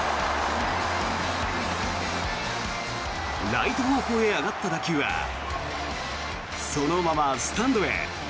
ライト方向へ上がった打球はそのままスタンドへ。